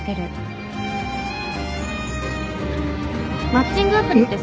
マッチングアプリってさ。